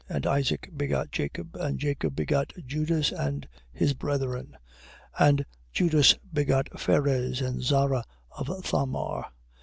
And Isaac begot Jacob. And Jacob begot Judas and his brethren. 1:3. And Judas begot Phares and Zara of Thamar.